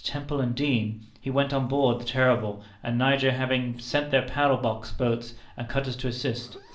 Temple and Deane, he went on board, the Terrible and Niger having sent their paddle box boats and cutters to assist.